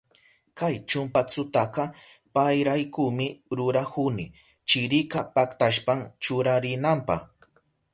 Kay chumpastutaka payraykumi rurahuni, chirika paktashpan churarinanpa.